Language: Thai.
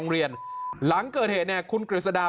นั่นแหละครับ